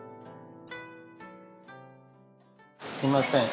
すみません